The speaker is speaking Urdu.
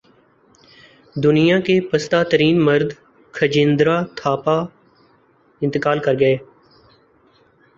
دنیا کے پستہ ترین مرد کھجیندرا تھاپا انتقال کر گئے